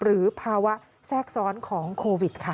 หรือภาวะแทรกซ้อนของโควิดค่ะ